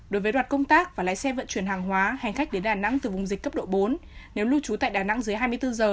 đối với đoàn công tác và lái xe vận chuyển hàng hóa hành khách đến đà nẵng từ vùng dịch cấp độ bốn nếu lưu trú tại đà nẵng dưới hai mươi bốn giờ